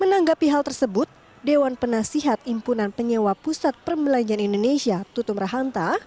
menanggapi hal tersebut dewan penasihat impunan penyewa pusat perbelanjaan indonesia tutum rahanta